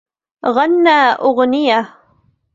غنى أغنية.